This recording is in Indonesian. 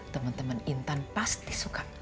teman teman intan pasti suka